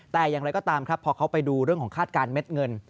แต่อย่างไรก็ตามครับพอเขาไปดูเรื่องของคาดการณ์เม็ดเงิน